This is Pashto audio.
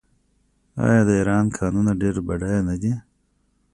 آیا د ایران کانونه ډیر بډایه نه دي؟